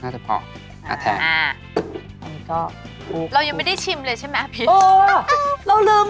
เดี๋ยวมันจะเสียงไว